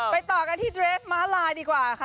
ต่อกันที่เดรสม้าลายดีกว่าค่ะ